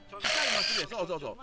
そうそうそう。